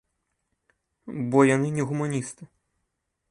Бо яны не гуманісты.